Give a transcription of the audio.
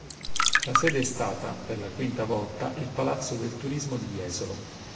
La sede è stata, per la quinta volta, il Palazzo del Turismo di Jesolo.